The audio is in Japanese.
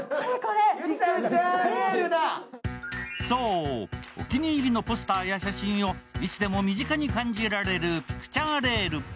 そう、お気に入りのポスターや写真をいつでも身近に感じられるピクチャーレール。